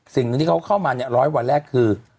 สิ่งหนึ่งที่เขาเข้ามาเนี่ยร้อยวันแรกคือ